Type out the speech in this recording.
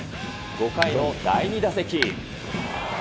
５回の第２打席。